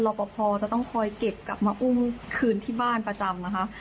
ปภจะต้องคอยเก็บกลับมาอุ้มคืนที่บ้านประจำนะคะ